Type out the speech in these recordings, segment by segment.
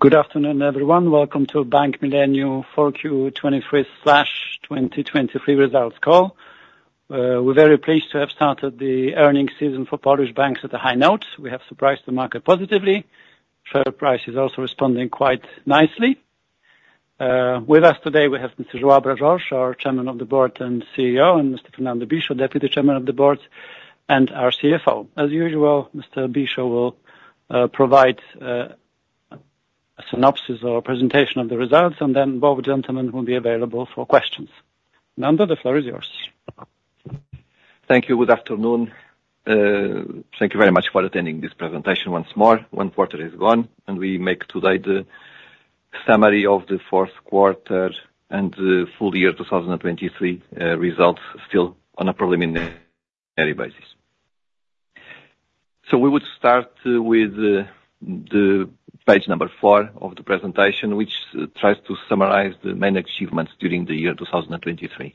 Good afternoon, everyone. Welcome to Bank Millennium for Q3 2023 Results Call. We're very pleased to have started the earning season for Polish banks at a high note. We have surprised the market positively. Share price is also responding quite nicely. With us today, we have Mr. João Brás Jorge, our Chairman of the Board and CEO, and Mr. Fernando Bicho, Deputy Chairman of the Board and our CFO. As usual, Mr. Bicho will provide a synopsis or presentation of the results, and then both gentlemen will be available for questions. Nando, the floor is yours. Thank you. Good afternoon. Thank you very much for attending this presentation once more. One quarter is gone, and we make today the summary of the fourth quarter and the full year 2023, results still on a preliminary basis. So we would start with the page number 4 of the presentation, which tries to summarize the main achievements during the year 2023.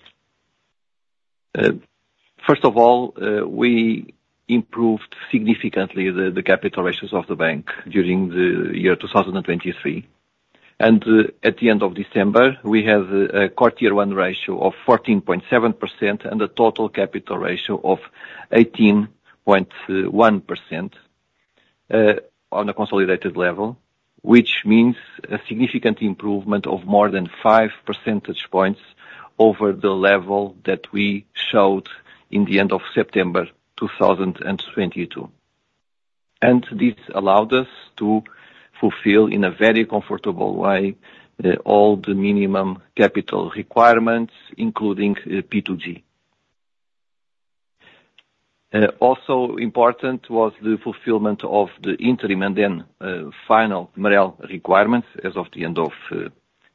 First of all, we improved significantly the capital ratios of the bank during the year 2023. At the end of December, we have a core tier one ratio of 14.7% and a total capital ratio of 18.1%, on a consolidated level, which means a significant improvement of more than 5 percentage points over the level that we showed in the end of September 2022. This allowed us to fulfill in a very comfortable way all the minimum capital requirements, including P2G. Also important was the fulfillment of the interim and then final MREL requirements as of the end of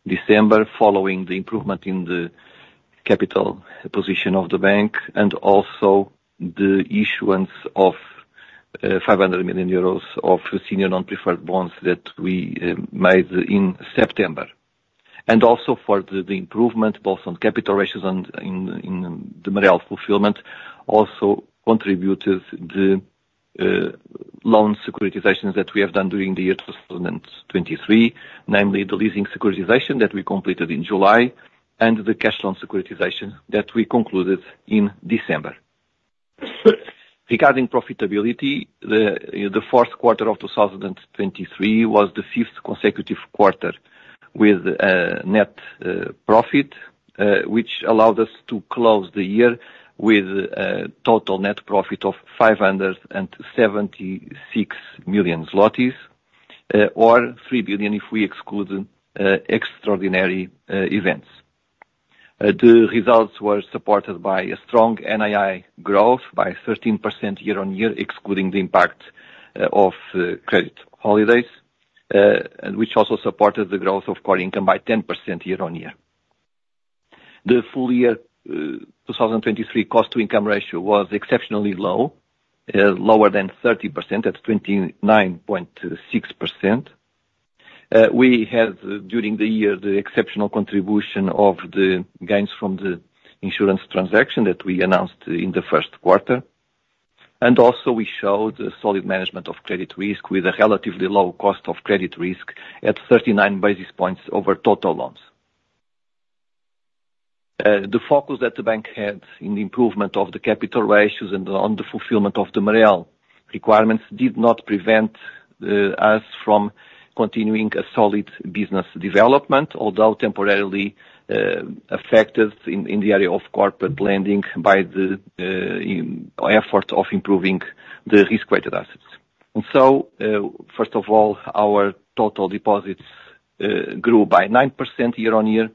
December, following the improvement in the capital position of the bank, and also the issuance of 500 million euros of senior non-preferred bonds that we made in September. And also for the improvement both on capital ratios and in the MREL fulfillment, also contributed the loan securitizations that we have done during the year 2023. Namely, the leasing securitization that we completed in July, and the cash loan securitization that we concluded in December. Regarding profitability, the fourth quarter of 2023 was the fifth consecutive quarter with net profit, which allowed us to close the year with a total net profit of 576 million zlotys, or 3 billion, if we exclude extraordinary events. The results were supported by a strong NII growth by 13% year-on-year, excluding the impact of credit holidays, and which also supported the growth of core income by 10% year-on-year. The full year 2023 cost to income ratio was exceptionally low, lower than 30%, at 29.6%. We had, during the year, the exceptional contribution of the gains from the insurance transaction that we announced in the first quarter. And also, we showed a solid management of credit risk with a relatively low cost of credit risk at 39 basis points over total loans. The focus that the bank had in the improvement of the capital ratios and on the fulfillment of the MREL requirements did not prevent us from continuing a solid business development, although temporarily affected in the area of corporate lending by the effort of improving the risk-weighted assets. First of all, our total deposits grew by 9% year-on-year,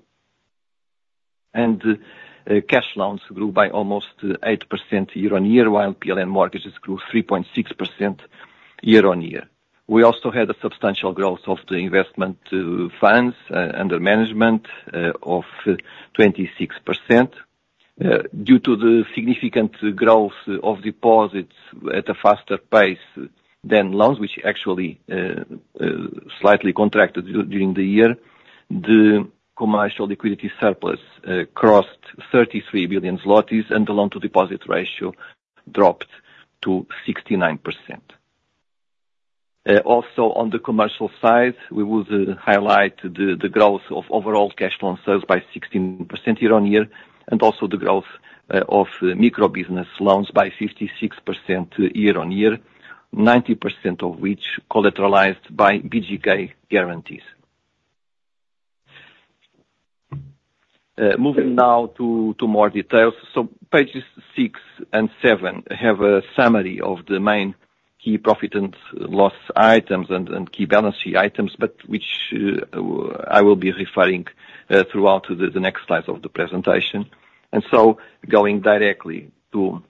and cash loans grew by almost 8% year-on-year, while PLN mortgages grew 3.6% year-on-year. We also had a substantial growth of the investment funds under management of 26%. Due to the significant growth of deposits at a faster pace than loans, which actually slightly contracted during the year, the commercial liquidity surplus crossed 33 billion zlotys, and the loan to deposit ratio dropped to 69%. Also, on the commercial side, we would highlight the growth of overall cash loan sales by 16% year-on-year, and also the growth of micro business loans by 56% year-on-year, 90% of which collateralized by BGK guarantees. Moving now to more details. So pages six and seven have a summary of the main key profit and loss items and key balance sheet items, but which I will be referring throughout the next slides of the presentation. And so going directly to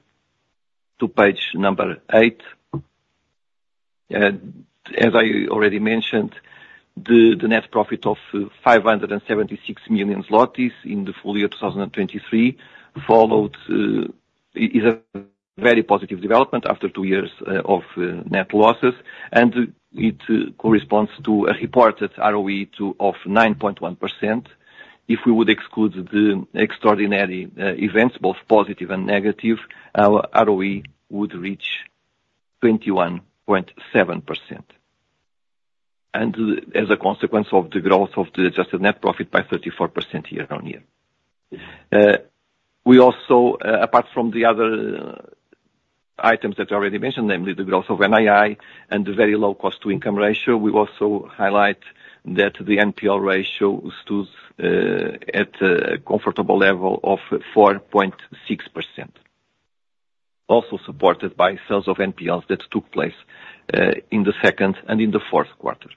page number eight, and as I already mentioned, the net profit of 576 million zlotys in the full year 2023 followed is a very positive development after two years of net losses, and it corresponds to a reported ROE of 9.1%.... If we would exclude the extraordinary events, both positive and negative, our ROE would reach 21.7%. And as a consequence of the growth of the adjusted net profit by 34% year on year. We also, apart from the other items that you already mentioned, namely the growth of NII and the very low cost to income ratio, we also highlight that the NPL ratio stood at a comfortable level of 4.6%. Also supported by sales of NPLs that took place in the second and in the fourth quarter.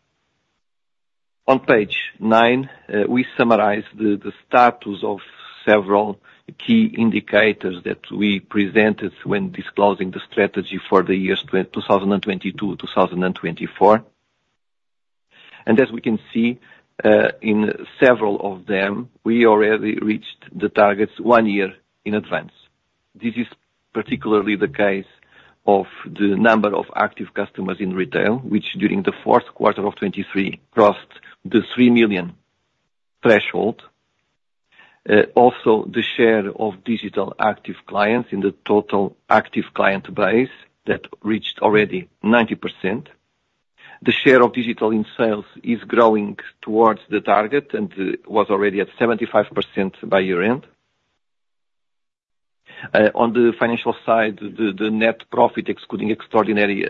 On page 9, we summarize the status of several key indicators that we presented when disclosing the strategy for the years 2022-2024. As we can see, in several of them, we already reached the targets one year in advance. This is particularly the case of the number of active customers in retail, which during the fourth quarter of 2023 crossed the 3 million threshold. Also the share of digital active clients in the total active client base, that reached already 90%. The share of digital in sales is growing towards the target, and was already at 75% by year-end. On the financial side, the, the net profit, excluding extraordinary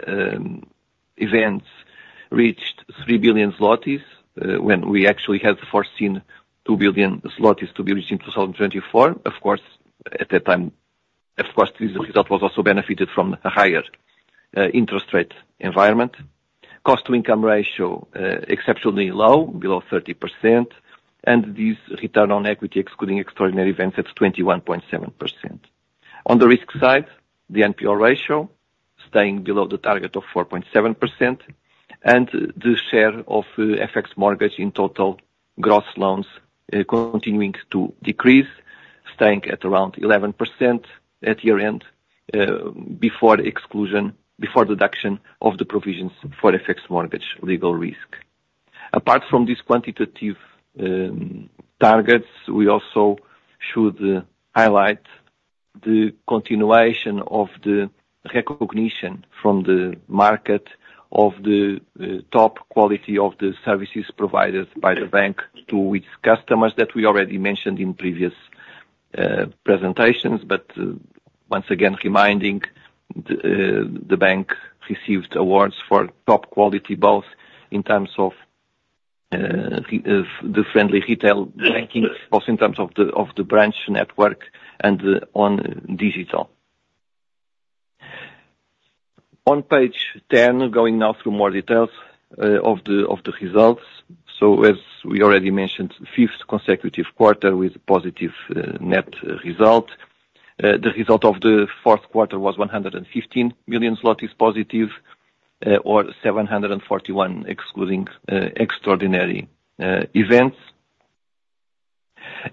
events, reached 3 billion zlotys, when we actually had foreseen 2 billion zlotys to be reached in 2024. Of course, at that time, of course, this result was also benefited from a higher interest rate environment. cost to income ratio exceptionally low, below 30%, and this return on equity, excluding extraordinary events, at 21.7%. On the risk side, the NPL ratio staying below the target of 4.7%, and the share of FX mortgage in total gross loans continuing to decrease, staying at around 11% at year-end before exclusion, before deduction of the provisions for FX mortgage legal risk. Apart from these quantitative targets, we also should highlight the continuation of the recognition from the market of the top quality of the services provided by the bank to its customers, that we already mentioned in previous presentations. But once again, reminding the the bank received awards for top quality, both in terms of the friendly retail banking, also in terms of the branch network and on digital. On page 10, going now through more details of the results. So as we already mentioned, fifth consecutive quarter with positive net result. The result of the fourth quarter was 115 million zlotys positive, or 741 million, excluding extraordinary events.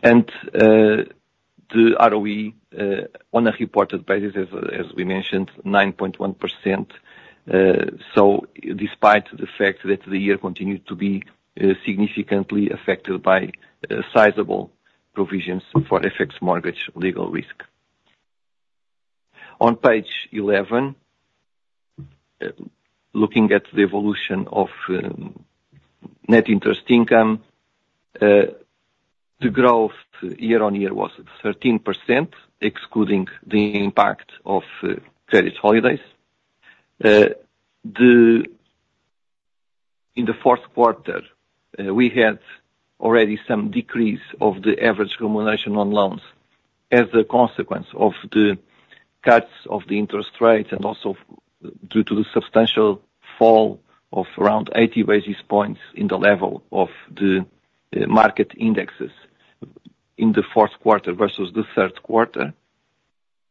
And the ROE on a reported basis, as we mentioned, 9.1%. So despite the fact that the year continued to be significantly affected by sizable provisions for FX mortgage legal risk. On page 11, looking at the evolution of net interest income, the growth year-over-year was 13%, excluding the impact of credit holidays. In the fourth quarter, we had already some decrease of the average remuneration on loans as a consequence of the cuts of the interest rate, and also due to the substantial fall of around 80 basis points in the level of the market indexes in the fourth quarter versus the third quarter.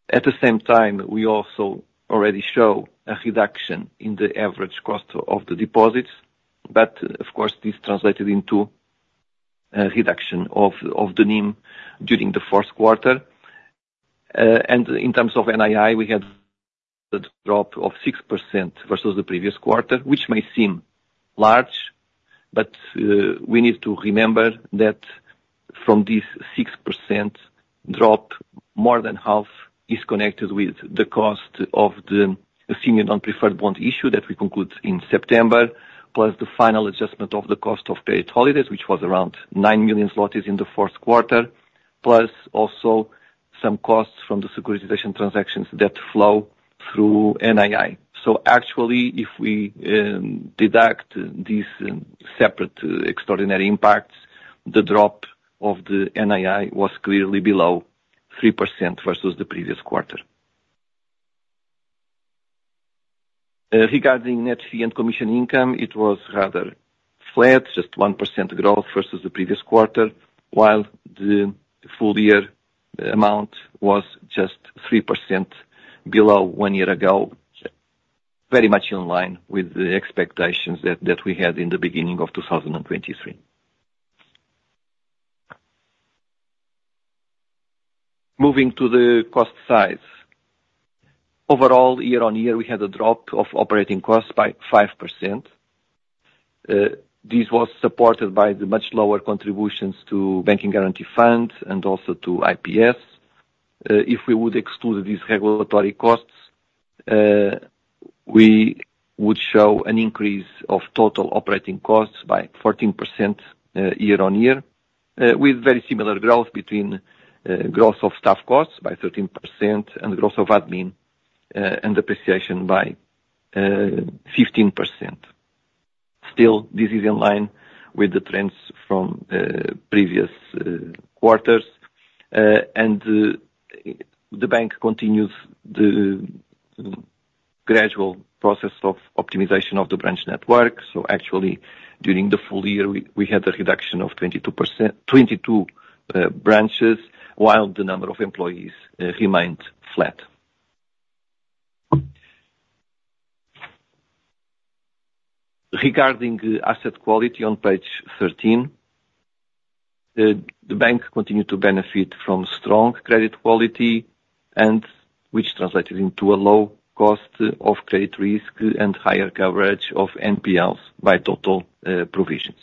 At the same time, we also already show a reduction in the average cost of the deposits, but of course, this translated into a reduction of the NIM during the fourth quarter. And in terms of NII, we had the drop of 6% versus the previous quarter, which may seem large, but we need to remember that from this 6% drop, more than half is connected with the cost of the senior non-preferred bond issue that we conclude in September, plus the final adjustment of the cost of credit holidays, which was around 9 million zlotys in the fourth quarter, plus also some costs from the securitization transactions that flow through NII. So actually, if we deduct these separate extraordinary impacts, the drop of the NII was clearly below 3% versus the previous quarter. Regarding net fee and commission income, it was rather flat, just 1% growth versus the previous quarter, while the full year amount was just 3% below one year ago. Very much in line with the expectations that we had in the beginning of 2023... Moving to the cost side. Overall, year-on-year, we had a drop of operating costs by 5%. This was supported by the much lower contributions to Banking Guarantee Funds and also to IPS. If we would exclude these regulatory costs, we would show an increase of total operating costs by 14%, year-on-year, with very similar growth between growth of staff costs by 13% and growth of admin and depreciation by 15%. Still, this is in line with the trends from previous quarters. And the bank continues the gradual process of optimization of the branch network. So actually, during the full year, we had a reduction of 22%, 22 branches, while the number of employees remained flat. Regarding the asset quality on page 13, the bank continued to benefit from strong credit quality, and which translated into a low cost of credit risk and higher coverage of NPLs by total provisions.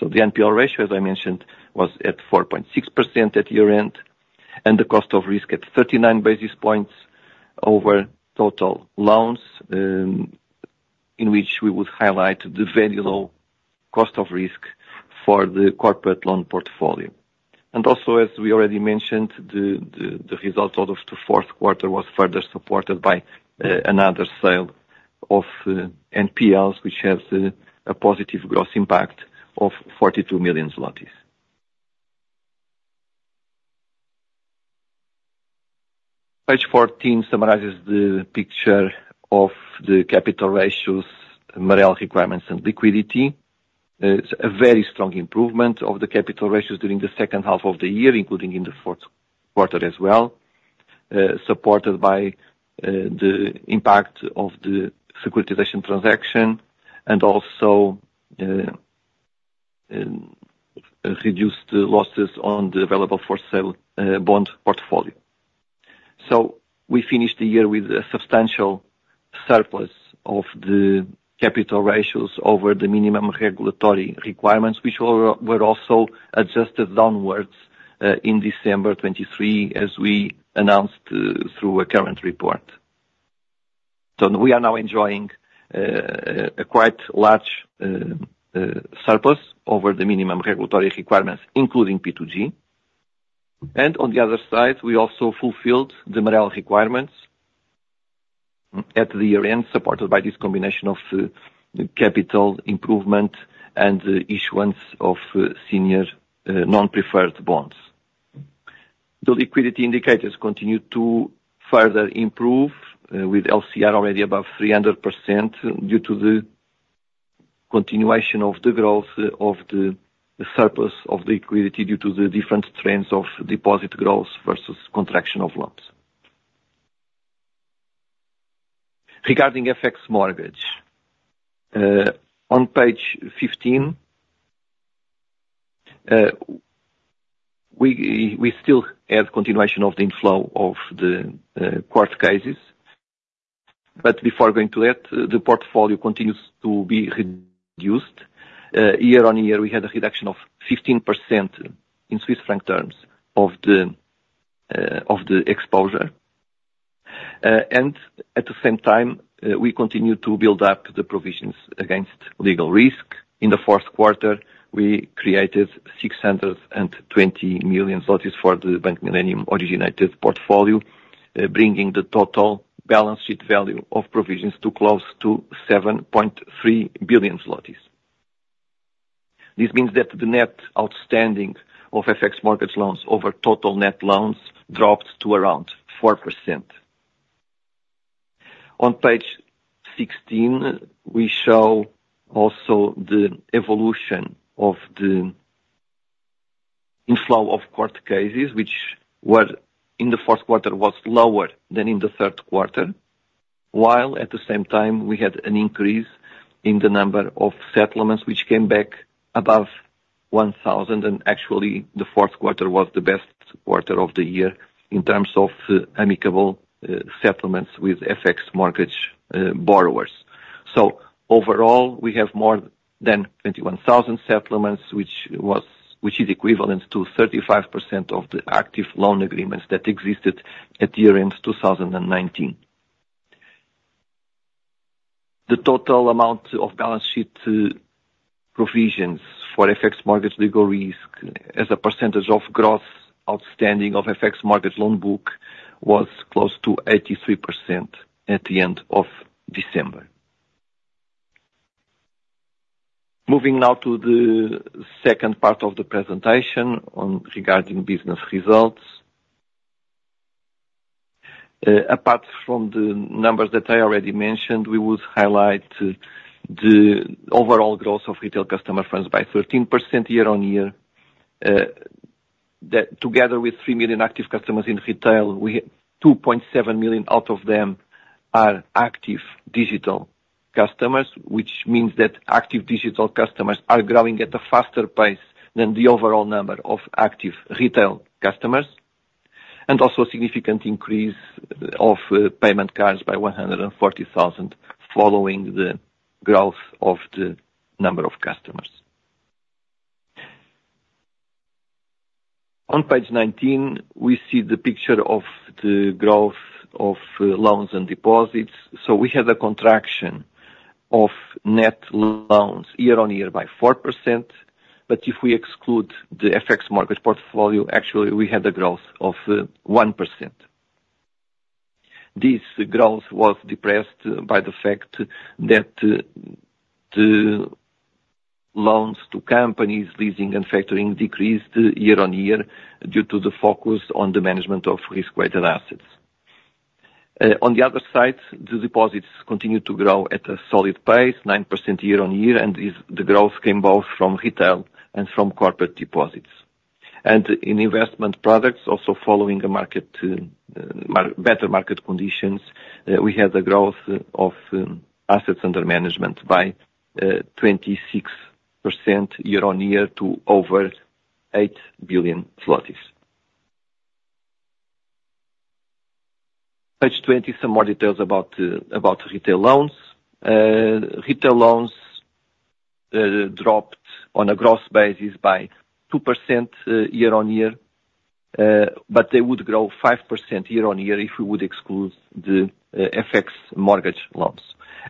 So the NPL ratio, as I mentioned, was at 4.6% at year-end, and the cost of risk at 39 basis points over total loans, in which we would highlight the very low cost of risk for the corporate loan portfolio. And also, as we already mentioned, the result out of the fourth quarter was further supported by another sale of NPLs, which has a positive gross impact of 42 million zlotys. Page 14 summarizes the picture of the capital ratios, MREL requirements and liquidity. It's a very strong improvement of the capital ratios during the second half of the year, including in the fourth quarter as well, supported by the impact of the securitization transaction and also reduced losses on the available for sale bond portfolio. So we finished the year with a substantial surplus of the capital ratios over the minimum regulatory requirements, which were also adjusted downwards in December 2023, as we announced through a current report. So we are now enjoying a quite large surplus over the minimum regulatory requirements, including P2G. And on the other side, we also fulfilled the MREL requirements at the year-end, supported by this combination of capital improvement and issuance of senior non-preferred bonds. The liquidity indicators continued to further improve with LCR already above 300%, due to the continuation of the growth of the surplus of liquidity, due to the different trends of deposit growth versus contraction of loans. Regarding FX mortgage, on page 15, we still have continuation of the inflow of the court cases. But before going to that, the portfolio continues to be reduced. Year-on-year, we had a reduction of 15% in Swiss franc terms of the exposure. And at the same time, we continued to build up the provisions against legal risk. In the fourth quarter, we created 620 million zlotys for the Bank Millennium originated portfolio, bringing the total balance sheet value of provisions to close to 7.3 billion zlotys. This means that the net outstanding of FX mortgage loans over total net loans dropped to around 4%. On page 16, we show also the evolution of the inflow of court cases, which were, in the fourth quarter, was lower than in the third quarter, while at the same time we had an increase in the number of settlements, which came back above 1,000, and actually the fourth quarter was the best quarter of the year in terms of amicable settlements with FX mortgage borrowers. So overall, we have more than 21,000 settlements, which is equivalent to 35% of the active loan agreements that existed at year-end 2019. The total amount of balance sheet provisions for FX mortgage legal risk as a percentage of gross outstanding of FX mortgage loan book was close to 83% at the end of December. Moving now to the second part of the presentation on regarding business results. Apart from the numbers that I already mentioned, we would highlight the overall growth of retail customer funds by 13% year-on-year, that together with 3 million active customers in retail, we had 2.7 million out of them are active digital customers, which means that active digital customers are growing at a faster pace than the overall number of active retail customers, and also a significant increase of payment cards by 140,000, following the growth of the number of customers. On page 19, we see the picture of the growth of loans and deposits. So we had a contraction of net loans year-on-year by 4%, but if we exclude the FX market portfolio, actually, we had a growth of 1%. This growth was depressed by the fact that the loans to companies leasing and factoring decreased year-on-year, due to the focus on the management of risk-weighted assets. On the other side, the deposits continued to grow at a solid pace, 9% year-on-year, and this, the growth came both from retail and from corporate deposits. And in investment products, also following better market conditions, we had a growth of assets under management by 26% year-on-year to over PLN 8 billion. Page 20, some more details about retail loans. Retail loans dropped on a gross basis by 2% year-on-year, but they would grow 5% year-on-year if we would exclude the FX mortgage loans.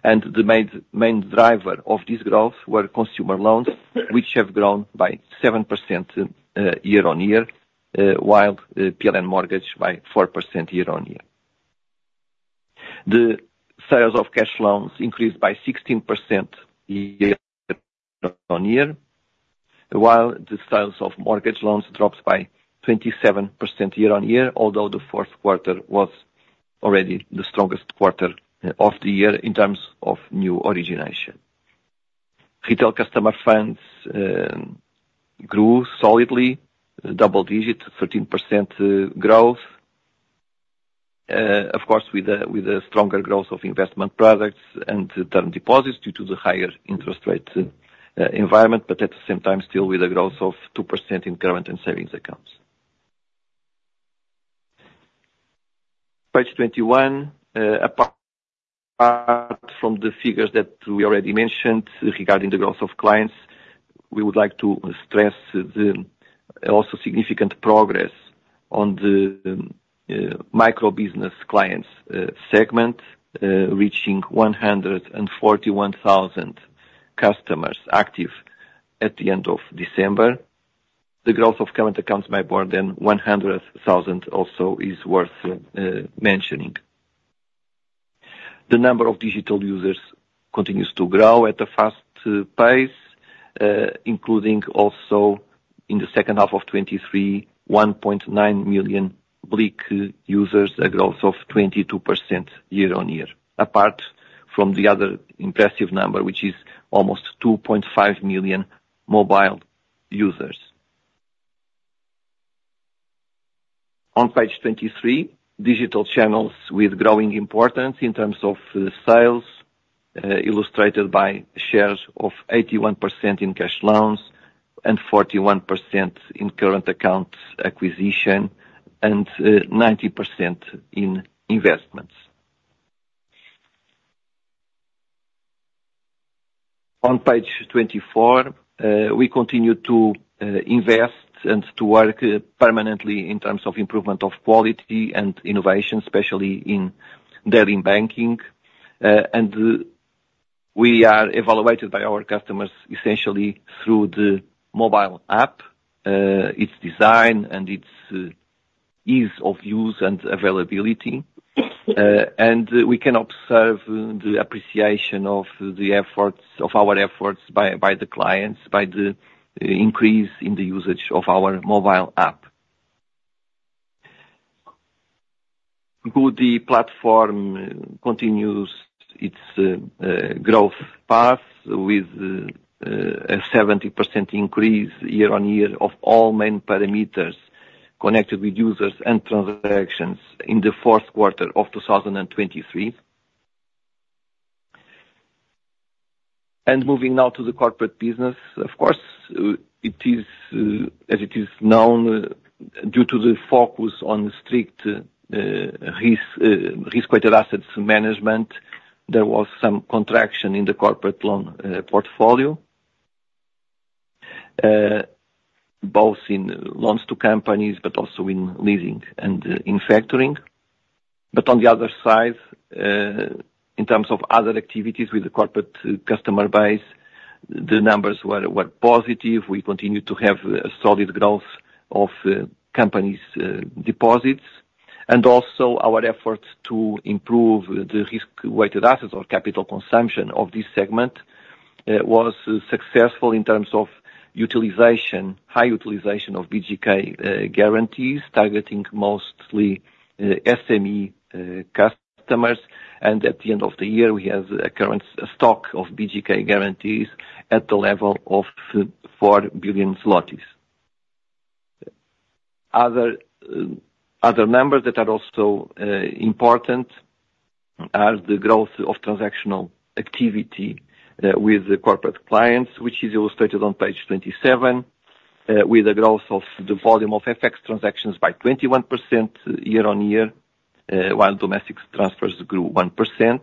The main, main driver of this growth were consumer loans, which have grown by 7% year-on-year, while the PLN mortgage by 4% year-on-year. The sales of cash loans increased by 16% year-on-year, while the sales of mortgage loans dropped by 27% year-on-year, although the fourth quarter was already the strongest quarter of the year in terms of new origination. Retail customer funds grew solidly, double-digit 13% growth. Of course, with a stronger growth of investment products and term deposits due to the higher interest rate environment, but at the same time, still with a growth of 2% in current and savings accounts. Page 21. Apart from the figures that we already mentioned regarding the growth of clients, we would like to stress the also significant progress on the micro business clients segment, reaching 141,000 customers active at the end of December. The growth of current accounts by more than 100,000 also is worth mentioning. The number of digital users continues to grow at a fast pace, including also in the second half of 2023, 1.9 million BLIK users, a growth of 22% year-on-year, apart from the other impressive number, which is almost 2.5 million mobile users. On page 23, digital channels with growing importance in terms of sales illustrated by shares of 81% in cash loans and 41% in current accounts acquisition, and 90% in investments. On page 24, we continue to invest and to work permanently in terms of improvement of quality and innovation, especially in digital banking. And we are evaluated by our customers essentially through the mobile app, its design and its ease of use and availability. And we can observe the appreciation of the efforts, of our efforts by, by the clients, by the increase in the usage of our mobile app. Good, the platform continues its growth path with a 70% increase year-on-year of all main parameters connected with users and transactions in the fourth quarter of 2023. And moving now to the corporate business, of course, it is, as it is known, due to the focus on strict risk, risk-weighted assets management, there was some contraction in the corporate loan portfolio. Both in loans to companies, but also in leasing and in factoring. But on the other side, in terms of other activities with the corporate customer base, the numbers were, were positive. We continued to have a solid growth of, companies, deposits, and also our efforts to improve the risk-weighted assets or capital consumption of this segment, was successful in terms of utilization, high utilization of BGK, guarantees, targeting mostly, SME, customers. At the end of the year, we have a current stock of BGK guarantees at the level of 4 billion zlotys. Other, other numbers that are also important are the growth of transactional activity with the corporate clients, which is illustrated on page 27 with the growth of the volume of FX transactions by 21% year-on-year, while domestic transfers grew 1%.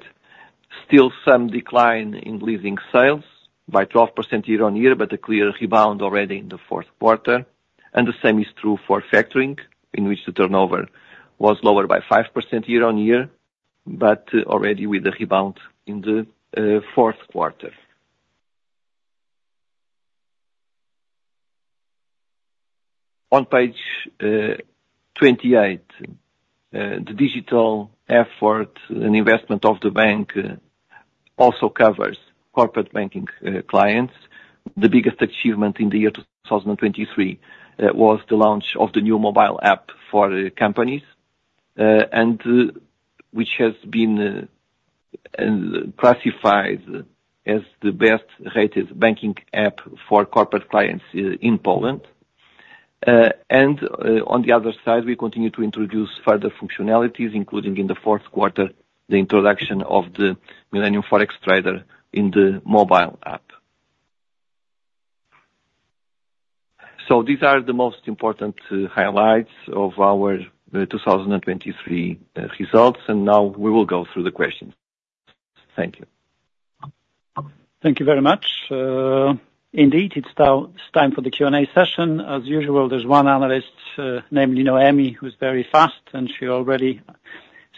Still some decline in leasing sales by 12% year-on-year, but a clear rebound already in the fourth quarter. And the same is true for factoring, in which the turnover was lower by 5% year-on-year, but already with the rebound in the fourth quarter. On page 28, the digital effort and investment of the bank also covers corporate banking clients. The biggest achievement in the year 2023 was the launch of the new mobile app for companies, and which has been classified as the best-rated banking app for corporate clients in Poland. And on the other side, we continue to introduce further functionalities, including in the fourth quarter, the introduction of the Millennium Forex Trader in the mobile app. So these are the most important highlights of our 2023 results, and now we will go through the questions. Thank you. Thank you very much. Indeed, it's now, it's time for the Q&A session. As usual, there's one analyst named Noemi, who's very fast, and she already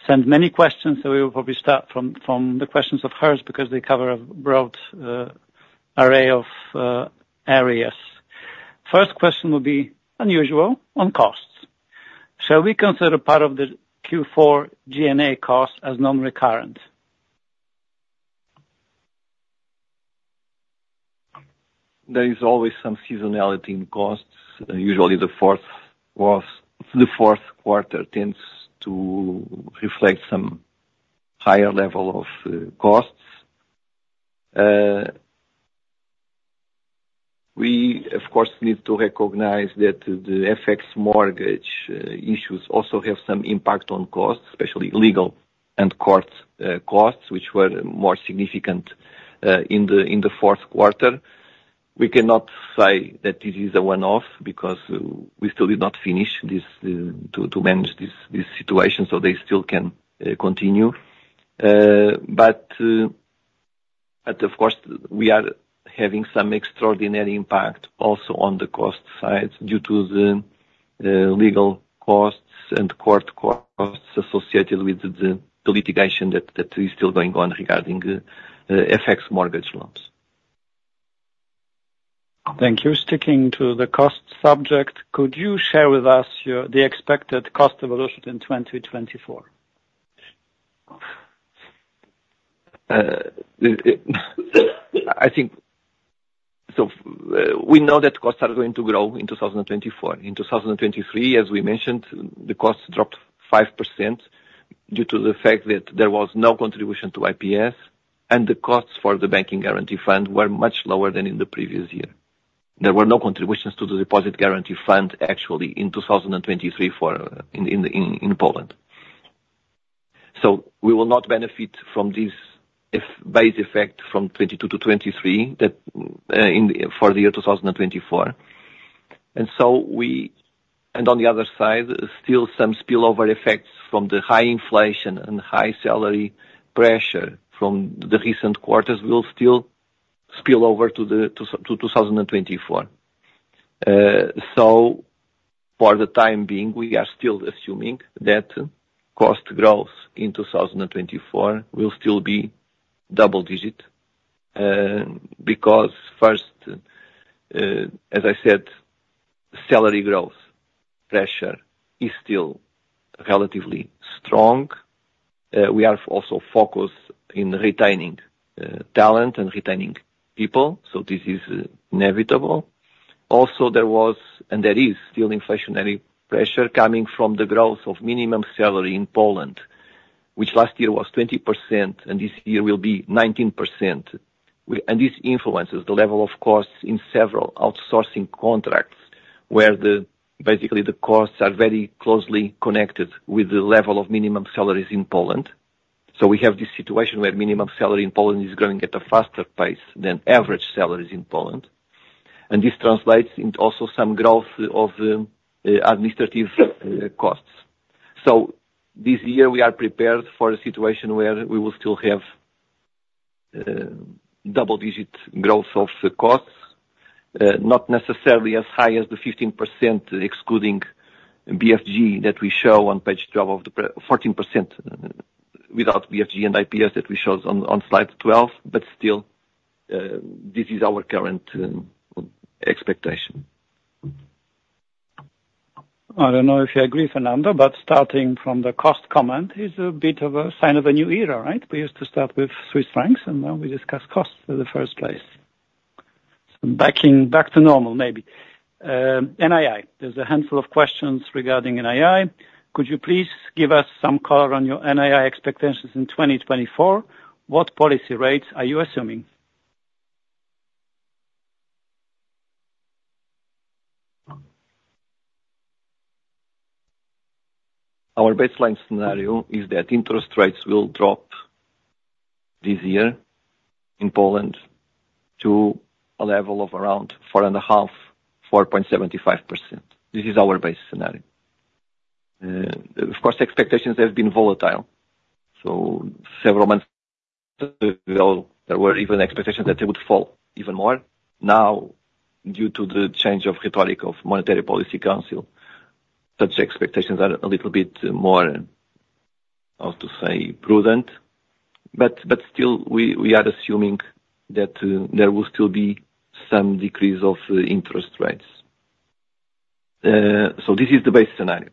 sent many questions, so we will probably start from the questions of hers, because they cover a broad array of areas. First question will be unusual, on costs. Shall we consider part of the Q4 G&A cost as non-recurrent? There is always some seasonality in costs. Usually, the fourth quarter tends to reflect some higher level of costs. We, of course, need to recognize that the FX mortgage issues also have some impact on costs, especially legal and court costs, which were more significant in the fourth quarter. We cannot say that this is a one-off, because we still did not finish this to manage this situation, so they still can continue. But of course, we are having some extraordinary impact also on the cost side, due to the legal costs and court costs associated with the litigation that is still going on regarding the FX mortgage loans. Thank you. Sticking to the cost subject, could you share with us the expected cost evolution in 2024? I think, so, we know that costs are going to grow in 2024. In 2023, as we mentioned, the costs dropped 5% due to the fact that there was no contribution to IPS, and the costs for the banking guarantee fund were much lower than in the previous year. There were no contributions to the Deposit Guarantee Fund, actually, in 2023 in Poland. So we will not benefit from this, if base effect from 2022 to 2023, in for the year 2024. And on the other side, still some spillover effects from the high inflation and high salary pressure from the recent quarters will still spill over to 2024. So for the time being, we are still assuming that cost growth in 2024 will still be double-digit, because first, as I said, salary growth pressure is still relatively strong. We are also focused in retaining talent and retaining people, so this is inevitable. Also, there was, and there is still inflationary pressure coming from the growth of minimum salary in Poland, which last year was 20%, and this year will be 19%. And this influences the level of costs in several outsourcing contracts, where the, basically, the costs are very closely connected with the level of minimum salaries in Poland. So we have this situation where minimum salary in Poland is growing at a faster pace than average salaries in Poland, and this translates into also some growth of administrative costs. So this year we are prepared for a situation where we will still have double-digit growth of the costs. Not necessarily as high as the 15%, excluding BFG, that we show on page 12 of the 14% without BFG and IPS, that we showed on slide 12, but still, this is our current expectation. I don't know if you agree, Fernando, but starting from the cost comment is a bit of a sign of a new era, right? We used to start with Swiss francs, and now we discuss costs in the first place. So back to normal, maybe. NII, there's a handful of questions regarding NII. Could you please give us some color on your NII expectations in 2024? What policy rates are you assuming?... Our baseline scenario is that interest rates will drop this year in Poland to a level of around 4.5, 4.75%. This is our base scenario. Of course, the expectations have been volatile, so several months ago, there were even expectations that they would fall even more. Now, due to the change of rhetoric of Monetary Policy Council, such expectations are a little bit more, how to say, prudent, but still, we are assuming that there will still be some decrease of interest rates. So this is the base scenario.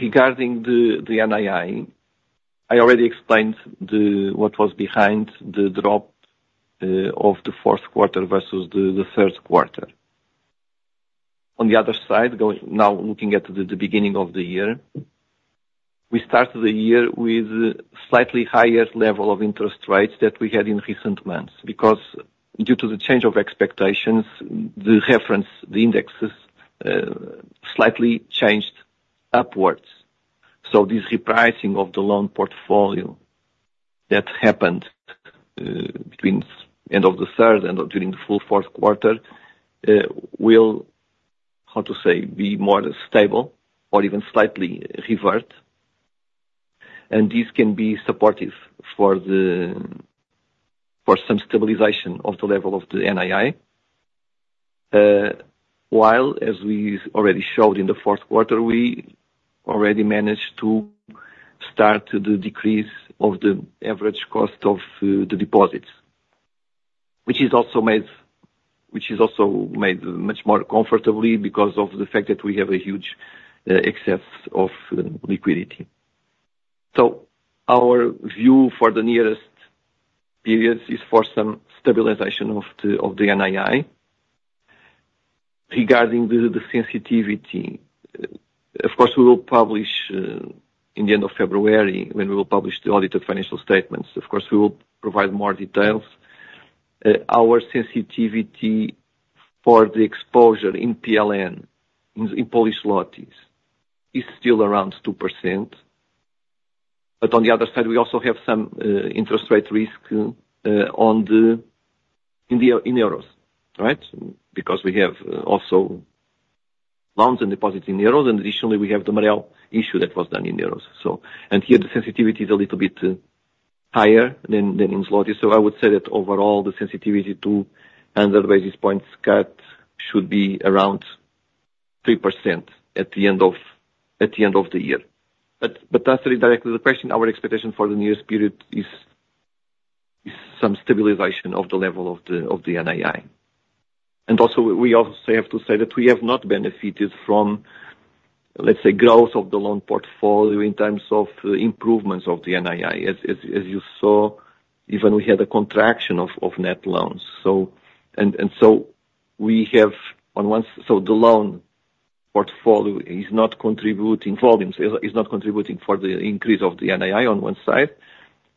Regarding the NII, I already explained what was behind the drop of the fourth quarter versus the third quarter. On the other side, now looking at the beginning of the year, we started the year with slightly higher level of interest rates than we had in recent months, because due to the change of expectations, the reference indexes slightly changed upwards. So this repricing of the loan portfolio that happened between end of the third and during the full fourth quarter will, how to say, be more stable or even slightly revert. And this can be supportive for some stabilization of the level of the NII. While, as we already showed in the fourth quarter, we already managed to start the decrease of the average cost of the deposits, which is also made much more comfortably because of the fact that we have a huge excess of liquidity. So our view for the nearest periods is for some stabilization of the of the NII. Regarding the sensitivity, of course, we will publish in the end of February, when we will publish the audited financial statements, of course, we will provide more details. Our sensitivity for the exposure in PLN, in Polish zlotys, is still around 2%. But on the other side, we also have some interest rate risk on the in the in euros, right? Because we have also loans and deposits in euros, and additionally, we have the MREL issue that was done in euros. So, and here the sensitivity is a little bit higher than in zlotys. So I would say that overall, the sensitivity to 100 basis points cut should be around 3% at the end of the year. But to answer directly the question, our expectation for the nearest period is some stabilization of the level of the NII. And also, we also have to say that we have not benefited from, let's say, growth of the loan portfolio in terms of improvements of the NII. As you saw, even we had a contraction of net loans. So the loan portfolio is not contributing, volumes is not contributing for the increase of the NII on one side,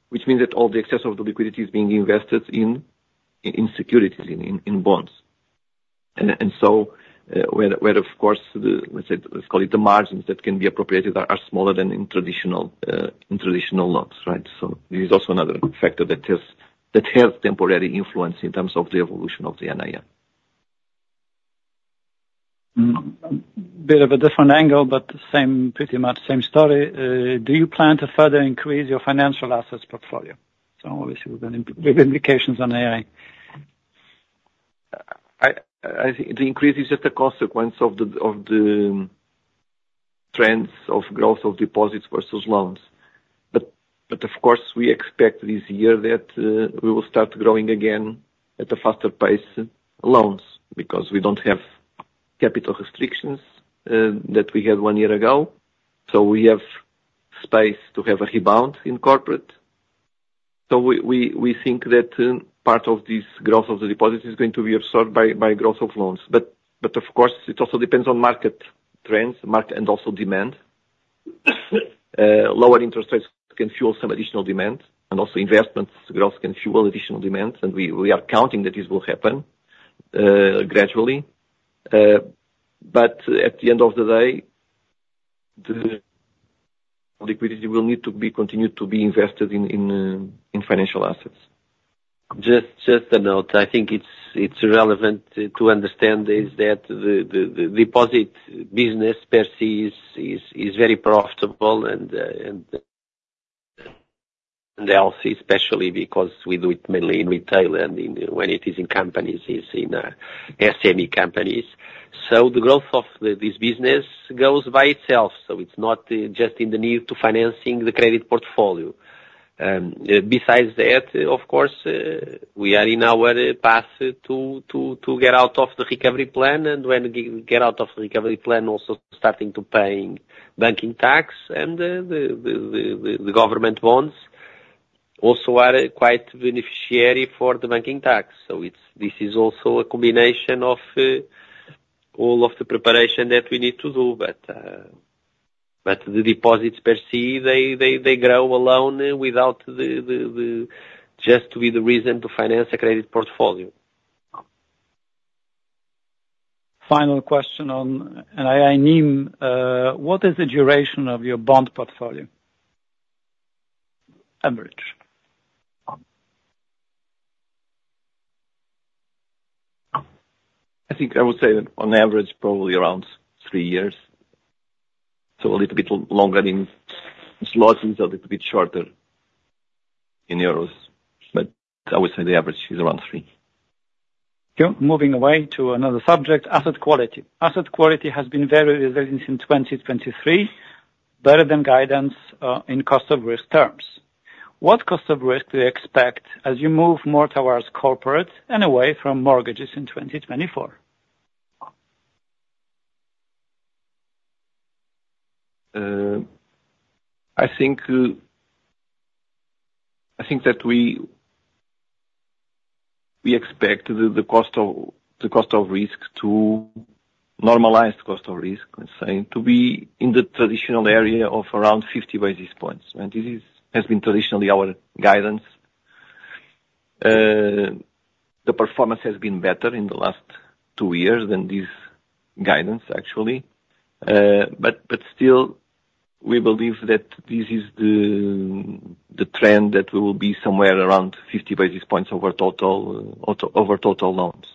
which means that all the excess of the liquidity is being invested in securities, in bonds. And so where, of course, the, let's say, let's call it, the margins that can be appropriated are smaller than in traditional loans, right? So this is also another factor that has temporary influence in terms of the evolution of the NII. Bit of a different angle, but same, pretty much same story. Do you plan to further increase your financial assets portfolio? So obviously, with indications on AI. I think the increase is just a consequence of the trends of growth of deposits versus loans. But of course, we expect this year that we will start growing again at a faster pace loans, because we don't have capital restrictions that we had one year ago. So we have space to have a rebound in corporate. So we think that part of this growth of the deposits is going to be absorbed by growth of loans. But of course, it also depends on market trends, market and also demand. Lower interest rates can fuel some additional demand, and also investments growth can fuel additional demand, and we are counting that this will happen gradually. But at the end of the day, the liquidity will need to be continued to be invested in financial assets. Just a note, I think it's relevant to understand is that the deposit business per se is very profitable and especially because we do it mainly in retail, and when it is in companies, it's in SME companies. So the growth of this business goes by itself. So it's not just in the need to financing the credit portfolio. Besides that, of course, we are in our path to get out of the recovery plan, and when we get out of the recovery plan, also starting to paying banking tax and the government bonds also are quite beneficial for the banking tax. So this is also a combination of all of the preparation that we need to do. But- ... but the deposits per se, they grow alone without the just with the reason to finance a credit portfolio. Final question on, and I mean, what is the duration of your bond portfolio? Average. I think I would say that on average, probably around three years, so a little bit longer than slots, is a little bit shorter in euros, but I would say the average is around three. Yep. Moving away to another subject, asset quality. Asset quality has been very resilient in 2023, better than guidance, in cost of risk terms. What cost of risk do you expect as you move more towards corporate and away from mortgages in 2024? I think, I think that we, we expect the, the cost of, the cost of risk to normalize the cost of risk, let's say, to be in the traditional area of around 50 basis points, and this is- has been traditionally our guidance. The performance has been better in the last two years than this guidance, actually. But, but still, we believe that this is the, the trend, that will be somewhere around 50 basis points over total, over total loans.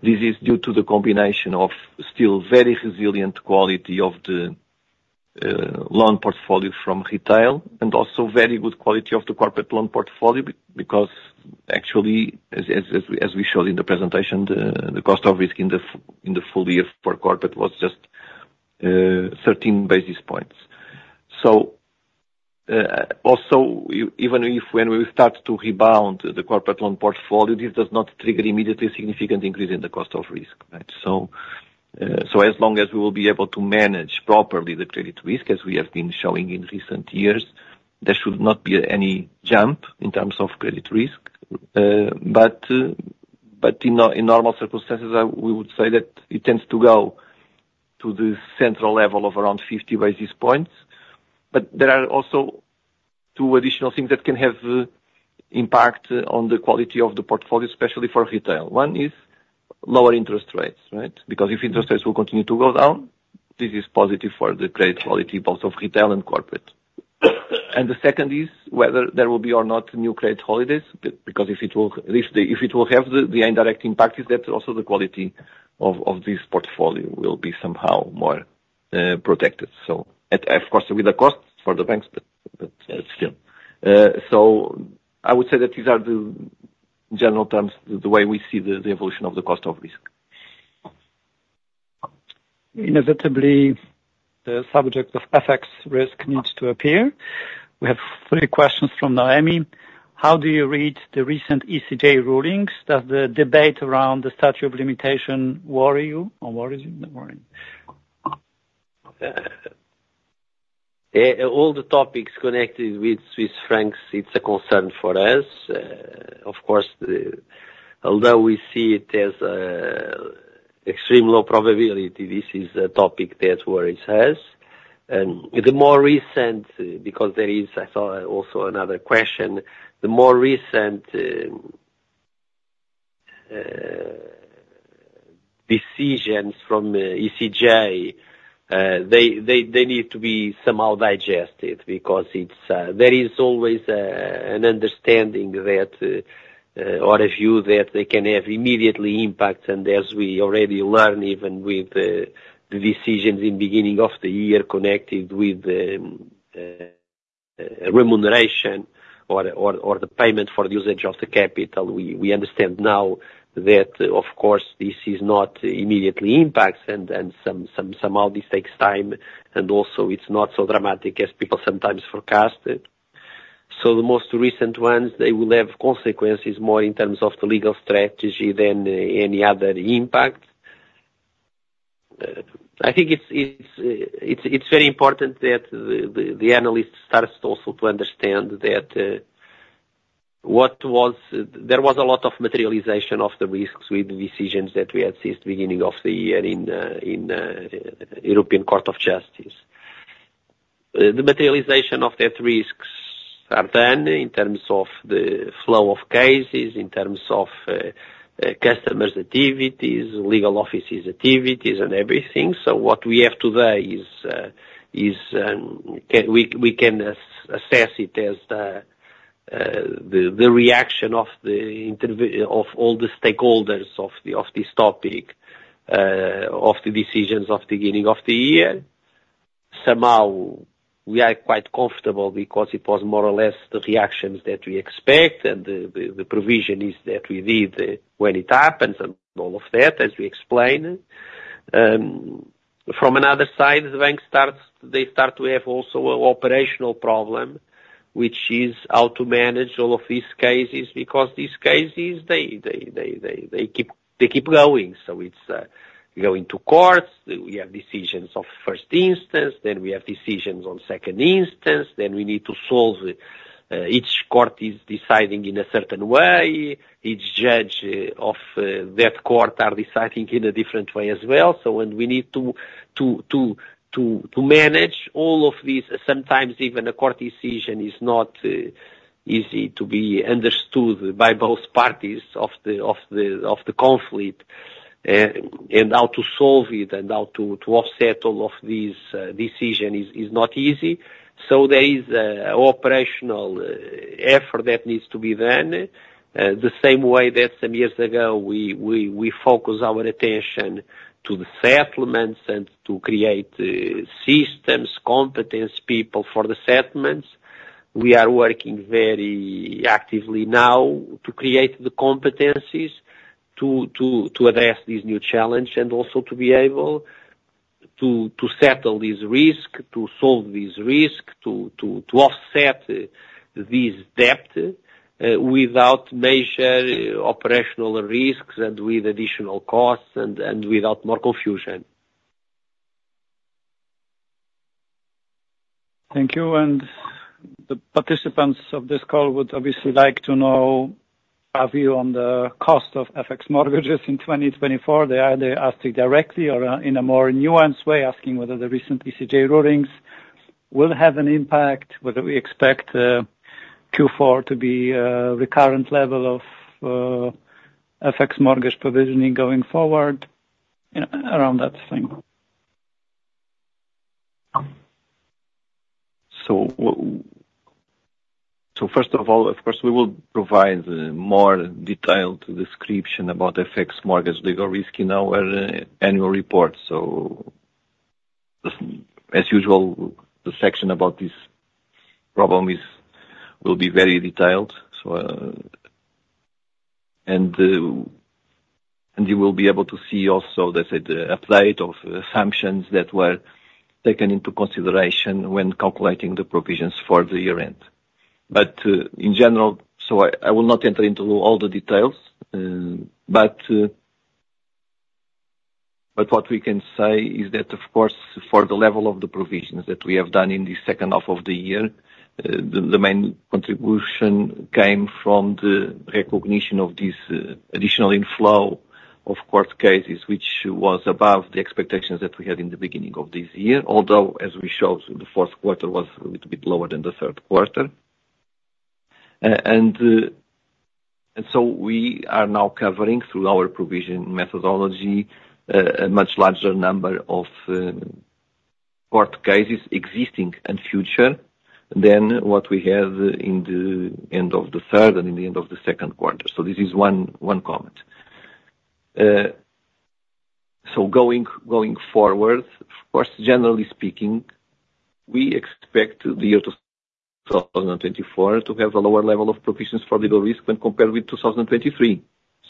This is due to the combination of still very resilient quality of the, loan portfolio from retail, and also very good quality of the corporate loan portfolio, because actually, as, as, as we, as we showed in the presentation, the, the cost of risk in the in the full year for corporate was just, thirteen basis points. So, also, even if when we start to rebound the corporate loan portfolio, this does not trigger immediately significant increase in the cost of risk, right? So, so as long as we will be able to manage properly the credit risk, as we have been showing in recent years, there should not be any jump in terms of credit risk. But, but in normal circumstances, we would say that it tends to go to the central level of around 50 basis points. But there are also two additional things that can have impact on the quality of the portfolio, especially for retail. One, is lower interest rates, right? Because if interest rates will continue to go down, this is positive for the credit quality, both of retail and corporate. The second is whether there will be or not new credit holidays, because if it will have the indirect impact is that also the quality of this portfolio will be somehow more protected. So, of course, with the cost for the banks, but still. So I would say that these are the general terms, the way we see the evolution of the cost of risk. Inevitably, the subject of FX risk needs to appear. We have three questions from Naomi: How do you read the recent ECJ rulings? Does the debate around the statute of limitation worry you or worries you in the morning? All the topics connected with Swiss francs, it's a concern for us. Of course, although we see it as extreme low probability, this is a topic that worries us. And the more recent, because there is, I saw also another question, the more recent decisions from ECJ, they need to be somehow digested, because it's there is always an understanding that or a view that they can have immediately impact. And as we already learned, even with the decisions in beginning of the year, connected with the remuneration or the payment for the usage of the capital, we understand now that of course, this is not immediately impacts and then some somehow this takes time, and also it's not so dramatic as people sometimes forecast it. So the most recent ones, they will have consequences more in terms of the legal strategy than any other impact. I think it's very important that the analyst starts also to understand that there was a lot of materialization of the risks with the decisions that we have seen at the beginning of the year in the European Court of Justice. The materialization of that risks are done in terms of the flow of cases, in terms of customers' activities, legal offices' activities and everything. So what we have today is we can assess it as the reaction of all the stakeholders of this topic of the decisions of the beginning of the year. Somehow, we are quite comfortable because it was more or less the reactions that we expect and the provision is that we need when it happens and all of that, as we explained. From another side, the bank starts, they start to have also an operational problem, which is how to manage all of these cases, because these cases, they keep going. So it's going to courts. We have decisions of first instance, then we have decisions on second instance, then we need to solve, each court is deciding in a certain way, each judge of that court are deciding in a different way as well. So when we need to manage all of these, sometimes even a court decision is not easy to be understood by both parties of the conflict, and how to solve it and how to offset all of these decision is not easy. So there is an operational effort that needs to be done. The same way that some years ago, we focus our attention to the settlements and to create systems, competence, people for the settlements. We are working very actively now to create the competencies to address this new challenge, and also to be able to settle this risk, to solve this risk, to offset this debt without major operational risks and with additional costs and without more confusion. Thank you. The participants of this call would obviously like to know our view on the cost of FX mortgages in 2024. They either ask it directly or, in a more nuanced way, asking whether the recent ECJ rulings will have an impact, whether we expect Q4 to be recurrent level of FX mortgage provisioning going forward, and around that thing. So first of all, of course, we will provide more detailed description about FX mortgage legal risk in our annual report. So as usual, the section about this problem will be very detailed. And you will be able to see also, let's say, the update of assumptions that were taken into consideration when calculating the provisions for the year end. But in general, so I will not enter into all the details, but what we can say is that, of course, for the level of the provisions that we have done in the second half of the year, the main contribution came from the recognition of this additional inflow of court cases, which was above the expectations that we had in the beginning of this year. Although, as we showed, the fourth quarter was a little bit lower than the third quarter. And so we are now covering through our provision methodology a much larger number of court cases existing and future than what we had in the end of the third and in the end of the second quarter. So this is one comment. So going forward, of course, generally speaking, we expect the year 2024 to have a lower level of provisions for legal risk when compared with 2023.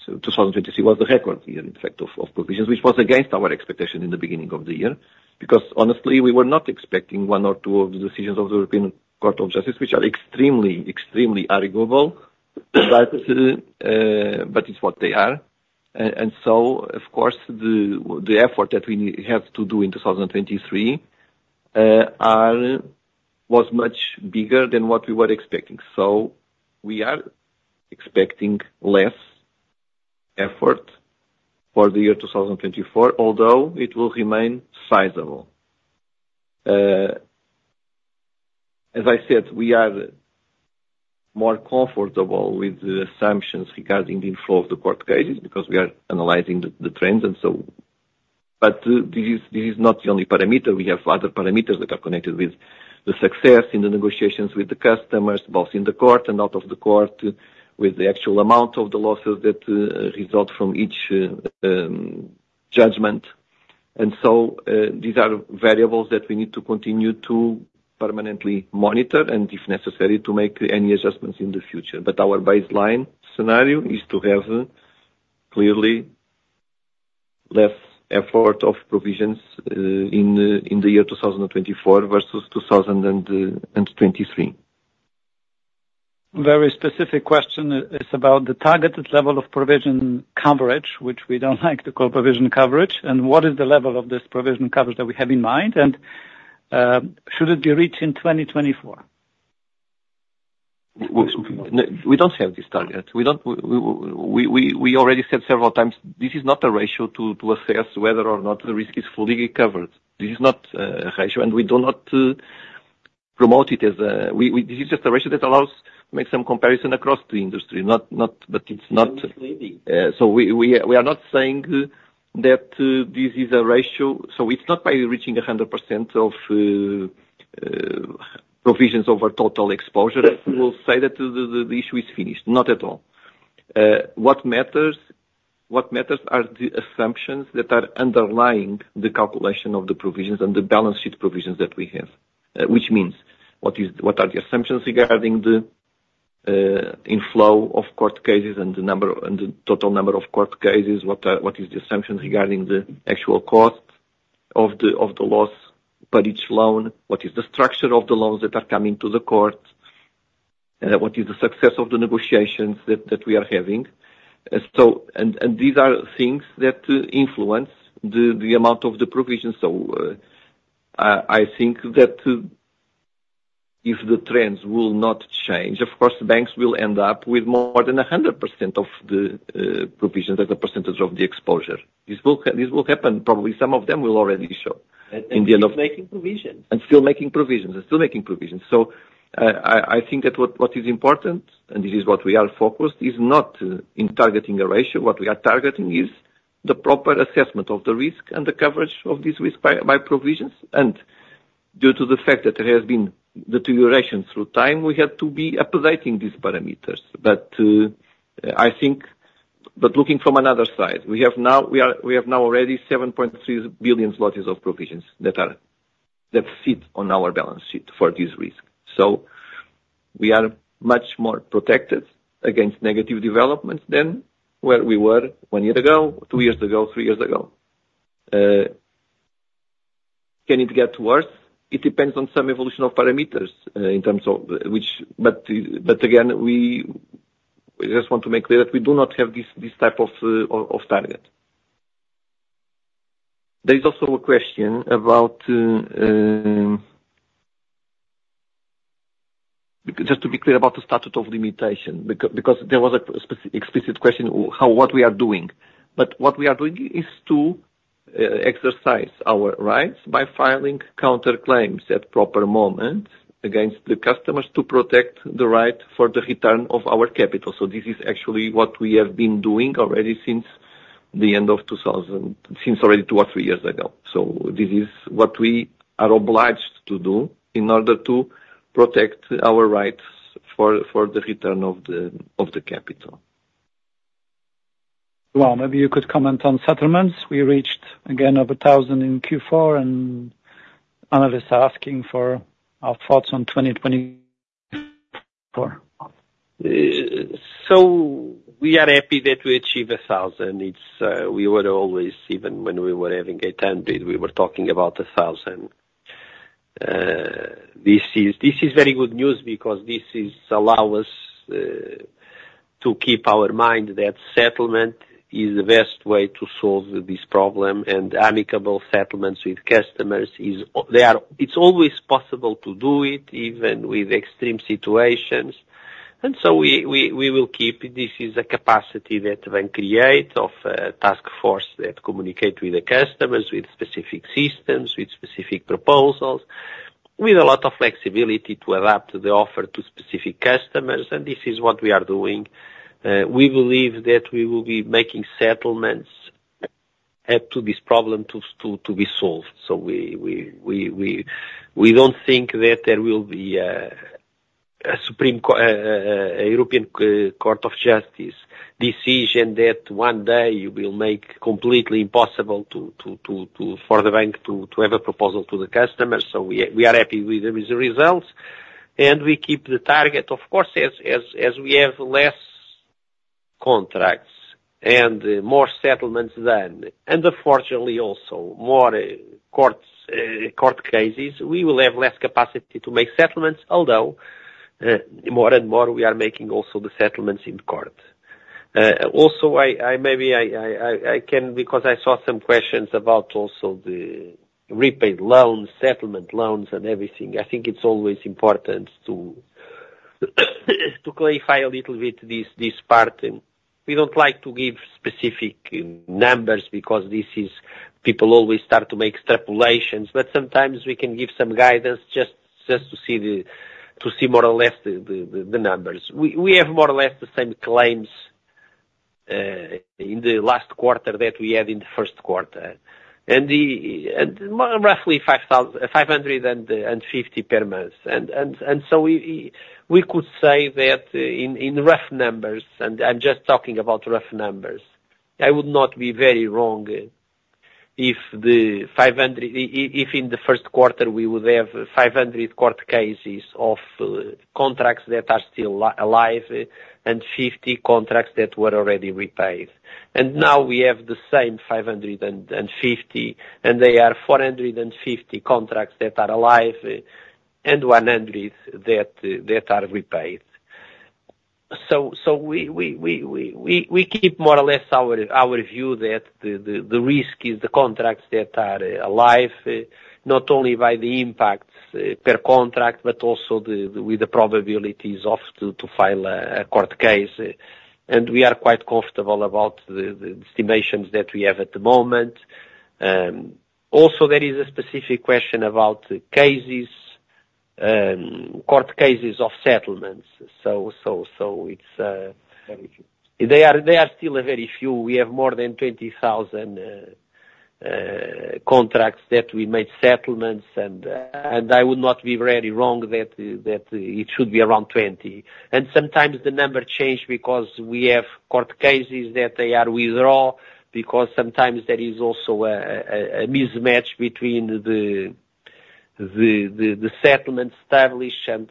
So 2023 was the record year, in fact, of provisions, which was against our expectation in the beginning of the year. Because honestly, we were not expecting one or two of the decisions of the European Court of Justice, which are extremely, extremely arguable, but it's what they are. And so of course, the effort that we need, have to do in 2023 was much bigger than what we were expecting. So we are expecting less effort for the year 2024, although it will remain sizable. As I said, we are more comfortable with the assumptions regarding the inflow of the court cases, because we are analyzing the trends, and so... But this is not the only parameter. We have other parameters that are connected with the success in the negotiations with the customers, both in the court and out of the court, with the actual amount of the losses that result from each judgment. And so, these are variables that we need to continue to permanently monitor, and if necessary, to make any adjustments in the future. But our baseline scenario is to have clearly less effort of provisions in the year 2024 versus 2023. Very specific question is about the targeted level of provision coverage, which we don't like to call provision coverage, and what is the level of this provision coverage that we have in mind? And, should it be reached in 2024? We don't have this target. We already said several times, this is not a ratio to assess whether or not the risk is fully covered. This is not a ratio, and we do not promote it. This is just a ratio that allows make some comparison across the industry, not, but it's not. Leading. So we are not saying that this is a ratio, so it's not by reaching 100% of provisions over total exposure, we'll say that the issue is finished. Not at all. What matters are the assumptions that are underlying the calculation of the provisions and the balance sheet provisions that we have. Which means, what are the assumptions regarding the inflow of court cases and the total number of court cases? What are the assumptions regarding the actual cost of the loss per each loan? What is the structure of the loans that are coming to the court? And what is the success of the negotiations that we are having? These are things that influence the amount of the provisions.... I think that, if the trends will not change, of course, the banks will end up with more than 100% of the provision as a percentage of the exposure. This will, this will happen, probably some of them will already show in the end of- Making provisions. And still making provisions, and still making provisions. So, I, I think that what, what is important, and this is what we are focused, is not in targeting a ratio. What we are targeting is the proper assessment of the risk and the coverage of this risk by, by provisions. And due to the fact that there has been deterioration through time, we have to be updating these parameters. But, I think—but looking from another side, we have now, we are, we have now already 7.3 billion zlotys of provisions that are, that fit on our balance sheet for this risk. So we are much more protected against negative developments than where we were one year ago, two years ago, three years ago. Can it get worse? It depends on some evolution of parameters, in terms of which... But again, we just want to make clear that we do not have this type of target. There is also a question about just to be clear about the statute of limitation, because there was a specific explicit question, how what we are doing? But what we are doing is to exercise our rights by filing counterclaims at proper moments against the customers to protect the right for the return of our capital. So this is actually what we have been doing already since the end of 2000, since already 2 or 3 years ago. So this is what we are obliged to do in order to protect our rights for the return of the capital. Well, maybe you could comment on settlements. We reached again over 1,000 in Q4, and analysts are asking for our thoughts on 2024. So we are happy that we achieved 1,000. It's, we were always, even when we were having a 10 billion, we were talking about 1,000. This is, this is very good news because this is allow us, to keep our mind that settlement is the best way to solve this problem, and amicable settlements with customers is- they are- it's always possible to do it, even with extreme situations. And so we, we, we will keep, this is a capacity that when create of, task force, that communicate with the customers, with specific systems, with specific proposals, with a lot of flexibility to adapt the offer to specific customers, and this is what we are doing. We believe that we will be making settlements, to this problem to, to, to be solved. So we don't think that there will be a European Court of Justice decision that one day will make completely impossible for the bank to have a proposal to the customers. So we are happy with the results, and we keep the target. Of course, as we have less contracts and more settlements than, and unfortunately, also more court cases, we will have less capacity to make settlements. Although, more and more we are making also the settlements in court. Also, maybe I can, because I saw some questions about also the repaid loans, settlement loans and everything. I think it's always important to clarify a little bit this part. We don't like to give specific numbers because this is, people always start to make extrapolations, but sometimes we can give some guidance just to see more or less the numbers. We have more or less the same claims in the last quarter that we had in the first quarter, and roughly 550 per month. So we could say that in rough numbers, and I'm just talking about rough numbers, I would not be very wrong if in the first quarter we would have 500 court cases of contracts that are still alive, and 50 contracts that were already repaid. Now we have the same 550, and they are 450 contracts that are alive, and 100 that are repaid. So we keep more or less our view that the risk is the contracts that are alive, not only by the impacts per contract, but also with the probabilities to file a court case. And we are quite comfortable about the estimations that we have at the moment. Also, there is a specific question about cases, court cases of settlements. So it's- Very few. They are still a very few. We have more than 20,000 contracts that we made settlements, and I would not be very wrong that it should be around 20. And sometimes the number change because we have court cases that they are withdraw, because sometimes there is also a mismatch between the settlement established and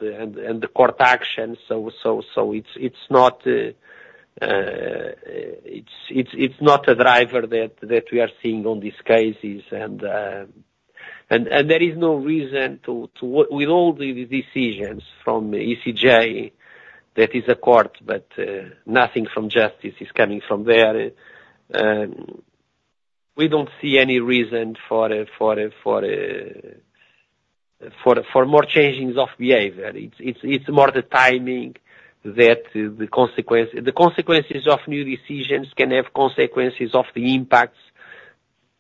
the court action. So it's not a driver that we are seeing on these cases. And there is no reason to... With all the decisions from ECJ... That is a court, but nothing from justice is coming from there. We don't see any reason for more changings of behavior. It's more the timing that the consequences of new decisions can have consequences of the impacts,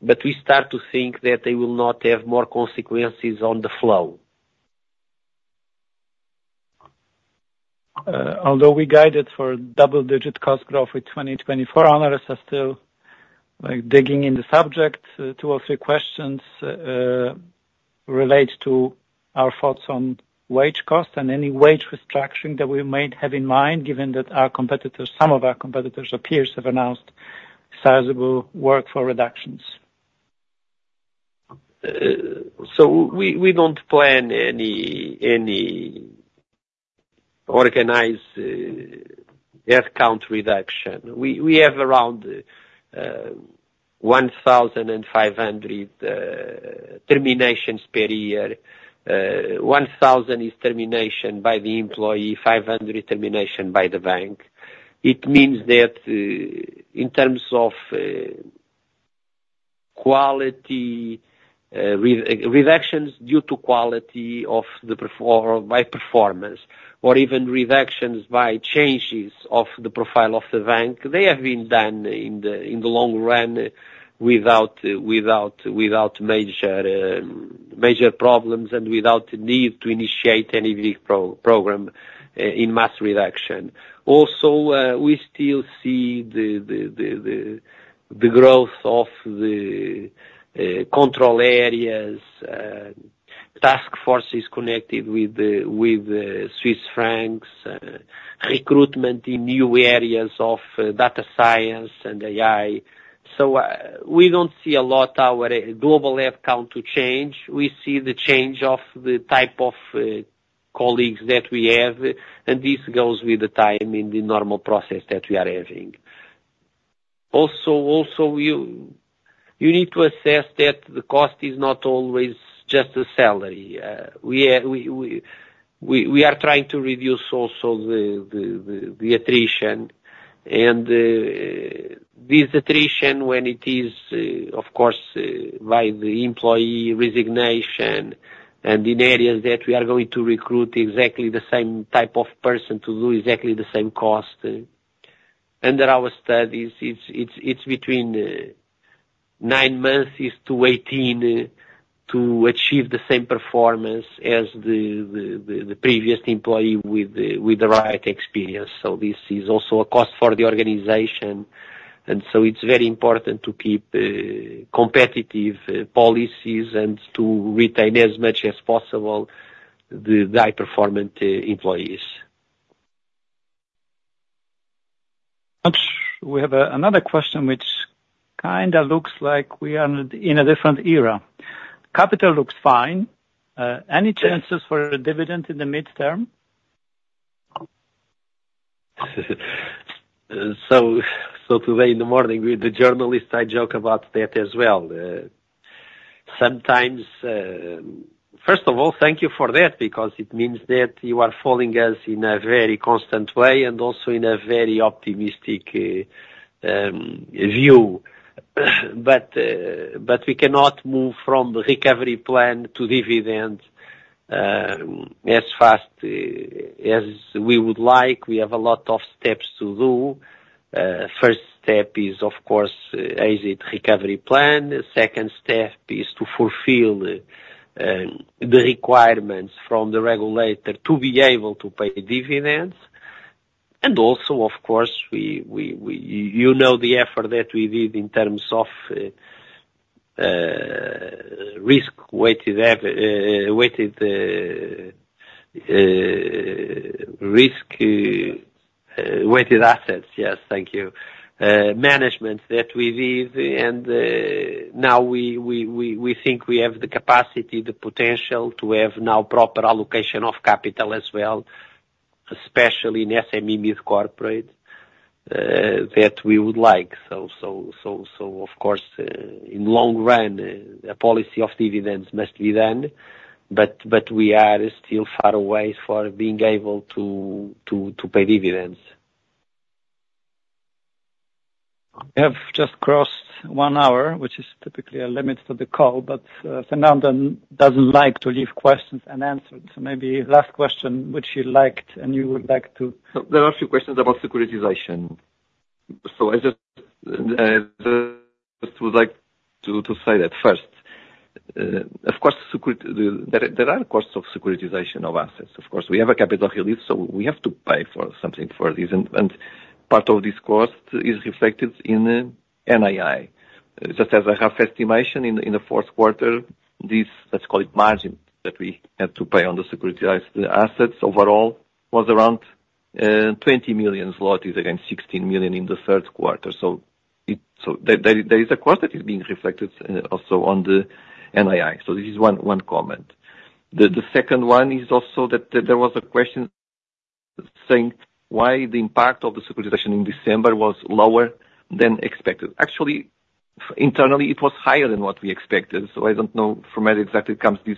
but we start to think that they will not have more consequences on the flow. Although we guided for double-digit cost growth with 2024, analysts are still, like, digging in the subject. Two or three questions relate to our thoughts on wage costs and any wage restructuring that we might have in mind, given that our competitors, some of our competitors or peers have announced sizable workforce reductions. So we don't plan any organized head count reduction. We have around 1,500 terminations per year. 1,000 is termination by the employee, 500 is termination by the bank. It means that in terms of quality reductions due to quality of the performer by performance, or even reductions by changes of the profile of the bank, they have been done in the long run, without major problems and without the need to initiate any big program in mass reduction. Also, we still see the growth of the control areas, task forces connected with the Swiss francs, recruitment in new areas of data science and AI. So, we don't see a lot our global head count to change. We see the change of the type of colleagues that we have, and this goes with the time in the normal process that we are having. Also, you need to assess that the cost is not always just the salary. We are trying to reduce also the attrition. And, this attrition, when it is, of course, by the employee resignation, and in areas that we are going to recruit exactly the same type of person to do exactly the same cost. Under our studies, it's between 9 months is to 18 to achieve the same performance as the previous employee with the right experience. So this is also a cost for the organization. It's very important to keep competitive policies and to retain as much as possible the high-performing employees. We have another question which kind of looks like we are in a different era. Capital looks fine. Any chances for a dividend in the midterm? So today in the morning with the journalist, I joke about that as well. Sometimes... First of all, thank you for that, because it means that you are following us in a very constant way, and also in a very optimistic view. But we cannot move from the recovery plan to dividend as fast as we would like. We have a lot of steps to do. First step is, of course, the recovery plan. The second step is to fulfill the requirements from the regulator to be able to pay dividends. And also, of course, you know, the effort that we did in terms of risk-weighted assets. Yes, thank you. Management that we did, and now we think we have the capacity, the potential to have now proper allocation of capital as well, especially in SME with corporate that we would like. So of course, in long run, a policy of dividends must be done, but we are still far away for being able to pay dividends. We have just crossed one hour, which is typically a limit for the call, but, Fernando doesn't like to leave questions unanswered. So maybe last question, which you liked, and you would like to- There are a few questions about securitization. So I just would like to say that first, of course, there are costs of securitization of assets. Of course, we have a capital release, so we have to pay for something for this. And part of this cost is reflected in NII. Just as a rough estimation, in the fourth quarter, this, let's call it margin, that we had to pay on the securitized assets overall was around 20 million zlotys, against 16 million in the third quarter. So there is a cost that is being reflected also on the NII. So this is one comment. The second one is also that there was a question saying, "Why the impact of the securitization in December was lower than expected?" Actually... Internally, it was higher than what we expected, so I don't know from where exactly comes this,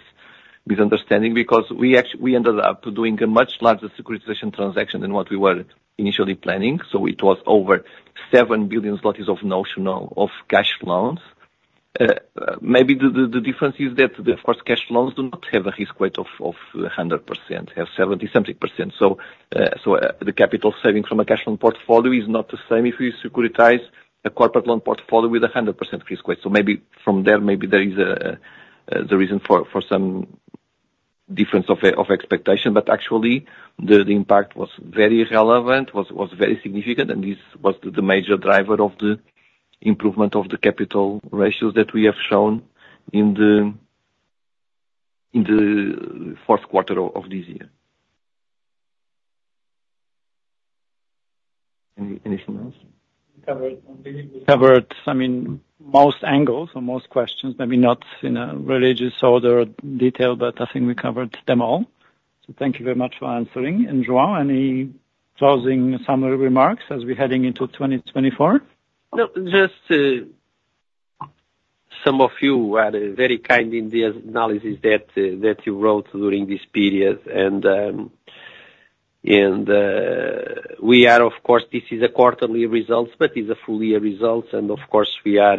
this understanding, because we ended up doing a much larger securitization transaction than what we were initially planning. So it was over 7 billion zlotys of notional of cash loans. Maybe the, the, the difference is that the first cash loans do not have a risk weight of 100%, have 70-something%. So, so the capital savings from a cash loan portfolio is not the same if we securitize a corporate loan portfolio with a 100% risk weight. So maybe from there, maybe there is a, the reason for, for some difference of, of expectation, but actually the impact was very relevant, was, was very significant, and this was the major driver of the improvement of the capital ratios that we have shown in the, in the fourth quarter of this year. Anything else? Covered, covered, I mean, most angles or most questions, maybe not in a religious order or detail, but I think we covered them all. So thank you very much for answering. And João, any closing summary remarks as we're heading into 2024? No, just, some of you were very kind in the analysis that you wrote during this period, and we are of course, this is quarterly results, but it's full year results, and of course, we are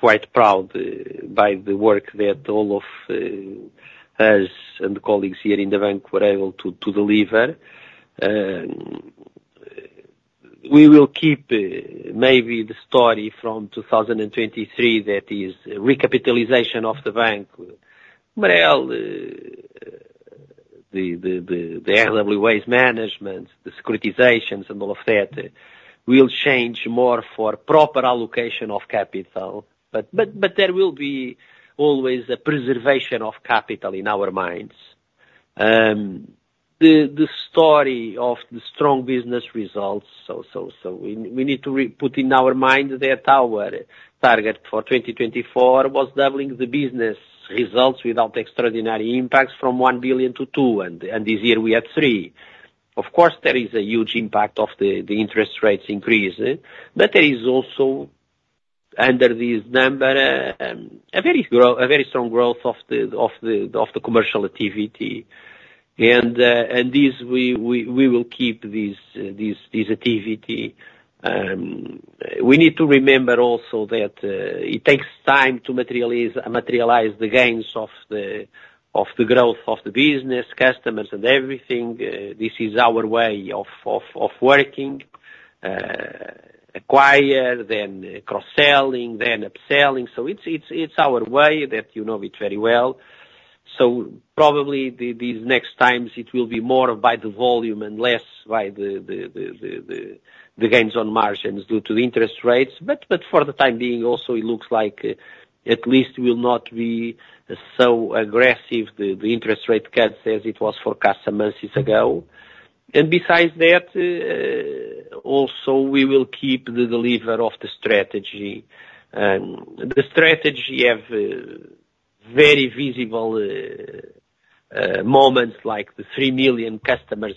quite proud by the work that all of us and the colleagues here in the bank were able to deliver. We will keep maybe the story from 2023, that is recapitalization of the bank. Well, the weights management, the securitizations and all of that will change more for proper allocation of capital. But there will be always a preservation of capital in our minds. The story of the strong business results, so we need to put in our mind that our target for 2024 was doubling the business results without extraordinary impacts from 1 billion to 2 billion, and this year we had 3 billion. Of course, there is a huge impact of the interest rates increase, but there is also, under this number, a very strong growth of the commercial activity. And this we will keep this activity. We need to remember also that it takes time to materialize the gains of the growth of the business, customers and everything. This is our way of working, acquire, then cross-selling, then upselling. So it's our way that you know it very well. So probably these next times it will be more by the volume and less by the gains on margins due to interest rates. But for the time being, also, it looks like at least will not be so aggressive, the interest rate cuts, as it was forecasted months ago. And besides that, also we will keep the deliver of the strategy. The strategy have very visible moments like the 3 million customers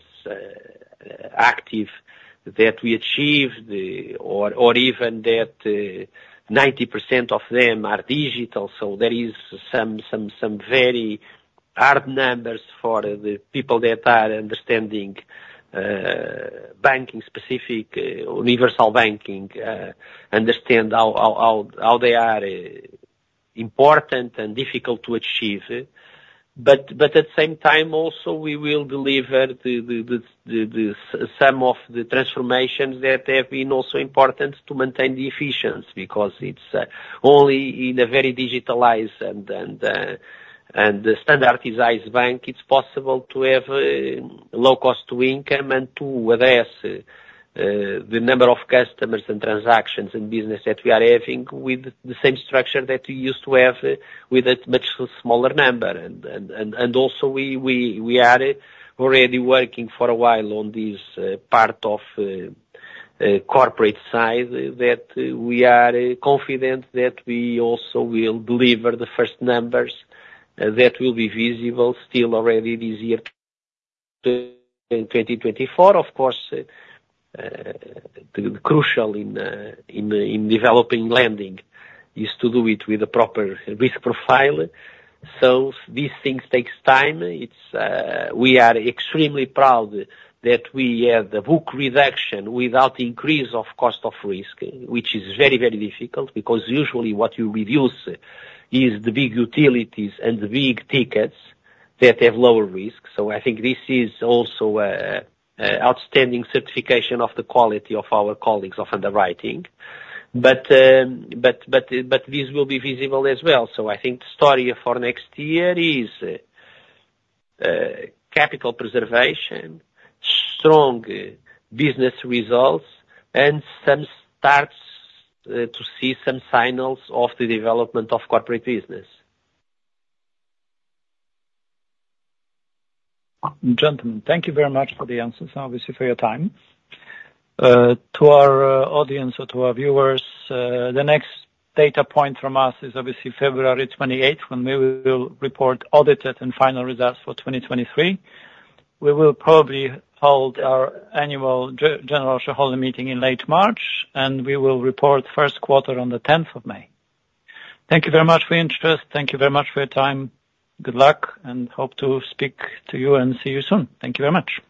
active that we achieved, or even that 90% of them are digital. So there is some very hard numbers for the people that are understanding banking specific universal banking understand how they are important and difficult to achieve. But at the same time, also, we will deliver some of the transformations that have been also important to maintain the efficiency, because it's only in a very digitalized and standardized bank, it's possible to have low cost to income and to address the number of customers and transactions and business that we are having with the same structure that we used to have, with a much smaller number. And also we are already working for a while on this part of corporate side, that we are confident that we also will deliver the first numbers that will be visible still already this year in 2024. Of course, the crucial in developing lending is to do it with a proper risk profile. So these things takes time. It's, we are extremely proud that we have the book reduction without increase of Cost of Risk, which is very, very difficult because usually what you reduce is the big utilities and the big tickets that have lower risk. So I think this is also a outstanding certification of the quality of our colleagues of underwriting. But this will be visible as well. So I think the story for next year is, capital preservation, strong business results, and some starts, to see some signals of the development of corporate business. Gentlemen, thank you very much for the answers and obviously for your time. To our audience or to our viewers, the next data point from us is obviously February 28, when we will report audited and final results for 2023. We will probably hold our annual general shareholder meeting in late March, and we will report first quarter on May 10. Thank you very much for your interest. Thank you very much for your time. Good luck, and hope to speak to you and see you soon. Thank you very much.